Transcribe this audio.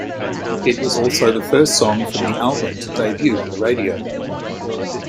It was also the first song from the album to debut on the radio.